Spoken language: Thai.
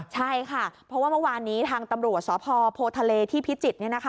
ใช่ค่ะเพราะว่าเมื่อวานนี้ทางตำรวจสพโพทะเลที่พิจิตร